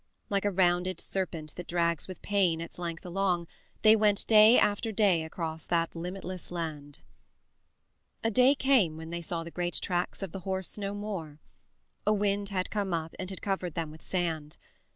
Like a rounded serpent that drags with pain its length along, they went day after day across that limitless land. A day came when they saw the great tracks of the horse no more. A wind had come up and had covered them with sand.